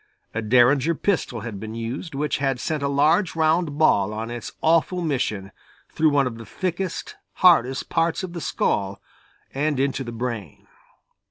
A Derringer pistol had been used, which had sent a large round ball on its awful mission through one of the thickest, hardest parts of the skull and into the brain.